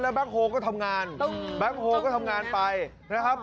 แล้วแบ็คโฮก็ทำงานแบ็คโฮก็ทำงานไปนะครับ